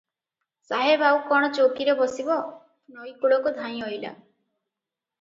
ସାହେବ ଆଉ କଣ ଚୌକିରେ ବସିବ, ନଈ କୂଳକୁ ଧାଇଁ ଅଇଲା ।